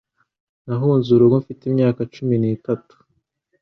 Nahunze urugo mfite imyaka cumi n'itatu